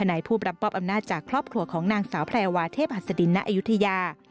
ในผู้รับมอบอำนาจจากครอบครัวของนางสาวแพรวาเทพหัสดินณอายุทยา